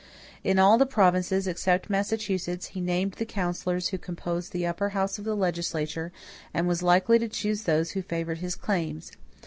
In all the provinces, except Massachusetts, he named the councilors who composed the upper house of the legislature and was likely to choose those who favored his claims.